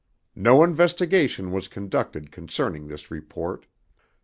No investigation was conducted concerning this report.